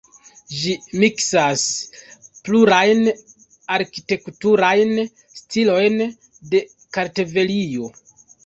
Ĝi miksas plurajn arkitekturajn stilojn de Kartvelio.